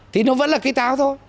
thì nó vẫn là cây táo thôi